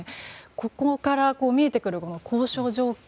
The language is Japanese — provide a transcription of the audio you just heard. ここから見えてくる交渉状況